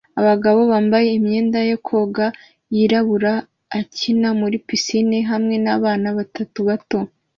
Umugabo wambaye imyenda yo koga yirabura akina muri pisine hamwe nabana batatu bato